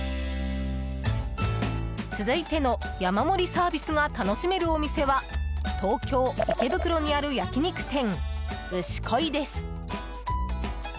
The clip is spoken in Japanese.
続いての山盛りサービスが楽しめるお店は東京・池袋にある焼き肉店牛恋です。